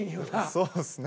そうですね。